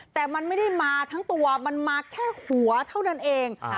แต่มันไม่ได้มาทั้งตัวมันมาแค่หัวเท่านั้นเอง